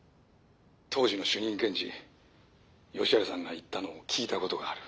当時の主任検事吉原さんが言ったのを聞いたことがある。